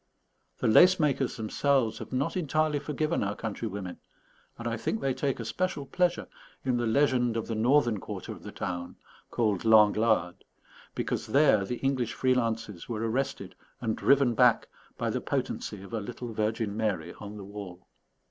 The lace makers themselves have not entirely forgiven our countrywomen; and I think they take a special pleasure in the legend of the northern quarter of the town, called L'Anglade, because there the English free lances were arrested and driven back by the potency of a little Virgin Mary on the wall.